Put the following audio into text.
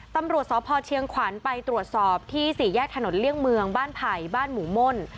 ตำรวจสพเชียงขวัญไปตรวจสอบที่สี่แยกถนนเลี่ยงเมืองบ้านไผ่บ้านหมู่ม่น